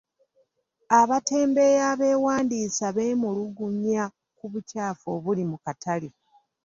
Abatembeeyi abeewandiisa beemulugunya ku bukyafu obuli mu katale.